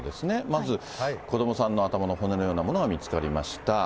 まず、子どもさんの頭の骨のようなものが見つかりました。